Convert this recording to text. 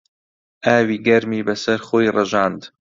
ئاوی گەرمی بەسەر خۆی ڕژاند.